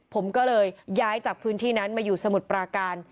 ผมก็เลยย้ายจากพื้นที่นั้นมาอยู่สมุทรปราการ